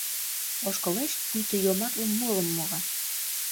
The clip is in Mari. Ошкылеш, пуйто йомартле мурым мура.